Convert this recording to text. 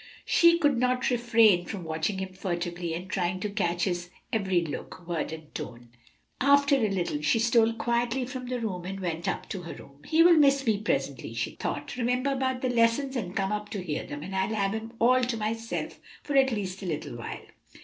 She could not refrain from watching him furtively and trying to catch his every look, word and tone. After a little she stole quietly from the room and went up to her own. "He will miss me presently," she thought, "remember about the lessons, and come up to hear them, and I'll have him all to myself for at least a little while."